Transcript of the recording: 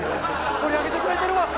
盛り上げてくれてるわ！